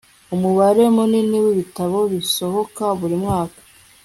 Umubare munini wibitabo bisohoka buri mwaka